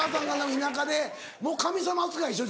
田舎でもう神様扱いでしょ